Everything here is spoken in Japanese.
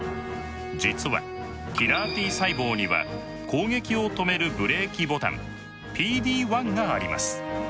実はキラーＴ細胞には攻撃を止めるブレーキボタン「ＰＤ−１」があります。